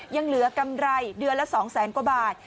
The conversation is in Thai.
ยังเหลือกำไรเดือนละ๒แสนกว่าบาท